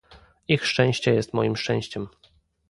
Ich szczęście jest moim szczęściem